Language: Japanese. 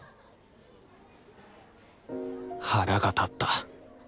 腹が立った。